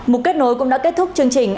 một kết nối cũng đã kết thúc chương trình